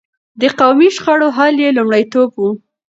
د قومي شخړو حل يې لومړيتوب و.